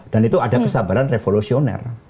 dan itu ada kesabaran revolusioner